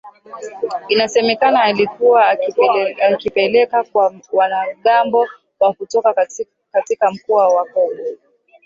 inasemekana alikuwa akizipeleka kwa wanamgambo wa kutoka katika mkoa wa Kobu